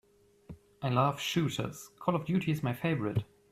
I love shooters, Call of Duty is my favorite.